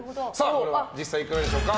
これは実際いかがでしょうか？